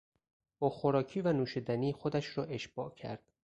با خوراکی و نوشیدنی خودش را اشباع کرد.